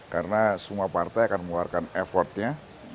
karena semua partai akan mengeluarkan effortnya